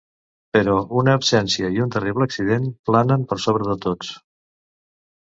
Però una absència i un terrible accident planen per sobre de tots.